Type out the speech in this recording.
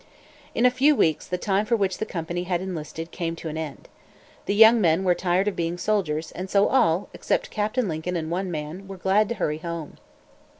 In a few weeks the time for which the company had enlisted came to an end. The young men were tired of being soldiers; and so all, except Captain Lincoln and one man, were glad to hurry home.